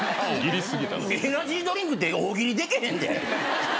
エナジードリンクで大喜利できへんで！